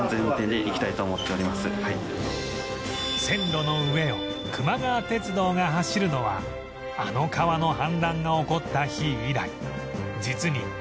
線路の上をくま川鉄道が走るのはあの川の氾濫が起こった日以来実に１年５カ月ぶり